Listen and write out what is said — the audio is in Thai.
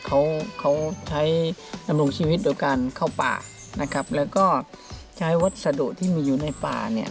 เขาเขาใช้ดำรงชีวิตโดยการเข้าป่านะครับแล้วก็ใช้วัสดุที่มีอยู่ในป่าเนี่ย